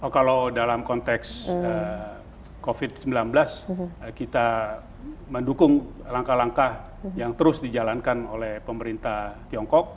kalau dalam konteks covid sembilan belas kita mendukung langkah langkah yang terus dijalankan oleh pemerintah tiongkok